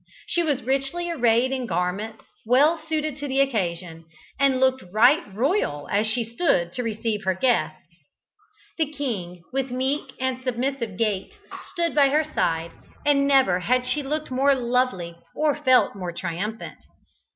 She was richly arrayed in garments well suited to the occasion, and looked right royal as she stood to receive her guests. The king, with meek and submissive gait, stood by her side, and never had she looked more lovely or felt more triumphant.